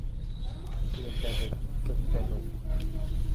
ตื่นแต่ดึก สึกแต่หนุ่ม